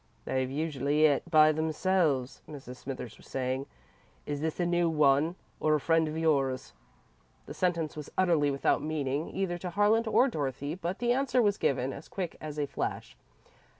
"They've usually et by themselves," Mrs. Smithers was saying. "Is this a new one, or a friend of yours?" The sentence was utterly without meaning, either to Harlan or Dorothy, but the answer was given, as quick as a flash.